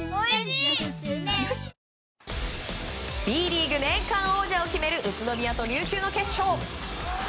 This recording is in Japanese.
Ｂリーグ年間王者を決める宇都宮と琉球の決勝。